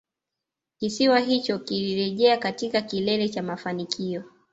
Kisiwa hicho kilirejea katika kilele cha mafanikio